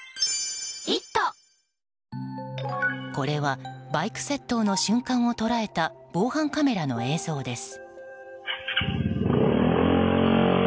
これはバイク窃盗の瞬間を捉えた防犯カメラの映像です。